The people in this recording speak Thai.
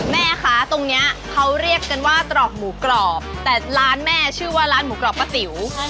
แม่คะตรงเนี้ยเขาเรียกกันว่าตรอกหมูกรอบแต่ร้านแม่ชื่อว่าร้านหมูกรอบป้าติ๋ว